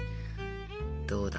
どうだ？